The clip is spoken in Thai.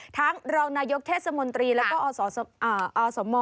รองนายกเทศมนตรีแล้วก็อสม